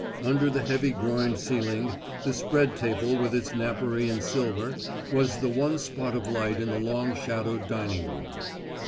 Under the heavy groined ceiling the spread table with its napery and silver was the one spot of light in the long shadowed dining room.